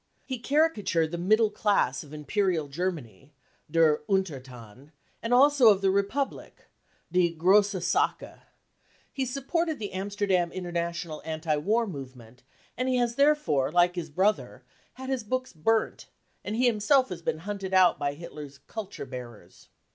He caricatured the middfe class of Imperial Germany (" Der Untertan ") and ateo of the Republic {" Die grosse Sache "). He sup ported the Amsterdam international anti war movement, and he has therefore, like his brother, had his bools burnt 176 BROWN BOOK OF THE HITLER TERROR and he himself has been hunted put by Hitler's " culture bearers."